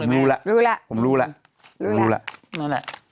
รู้แหละ